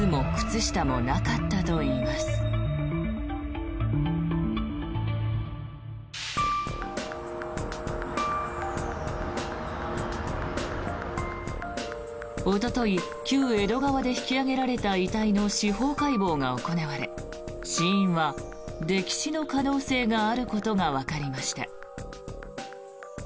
おととい、旧江戸川で引き揚げられた遺体の司法解剖が行われ死因は溺死の可能性があることがわかりました。